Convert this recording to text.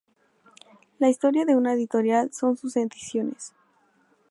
La historia de una editorial son sus ediciones.